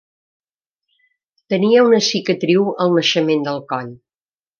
Tenia una cicatriu al naixement del coll.